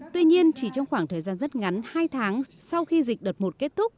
tuy nhiên chỉ trong khoảng thời gian rất ngắn hai tháng sau khi dịch đợt một kết thúc